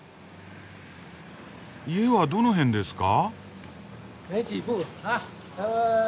家はどの辺ですか？